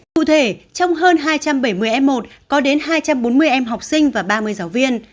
cụ thể trong hơn hai trăm bảy mươi em một có đến hai trăm bốn mươi em học sinh và ba mươi giáo viên